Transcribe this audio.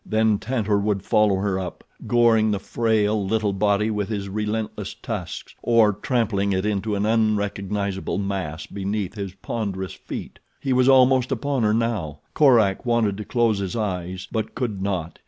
Then Tantor would follow her up, goring the frail, little body with his relentless tusks, or trampling it into an unrecognizable mass beneath his ponderous feet. He was almost upon her now. Korak wanted to close his eyes, but could not.